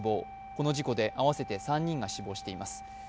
この事故で合わせて３人が死亡しています。